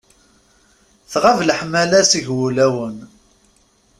Tɣab leḥmala seg wulawen.